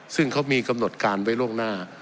ซึ่งเขามีกำหนดการไว้ล่วงหน้า